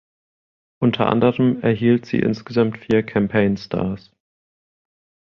Unter anderem erhielt sie insgesamt vier Campaign Stars.